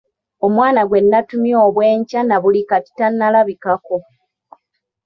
Omwana gwe natumye obw’enkya na buli kati talabikako.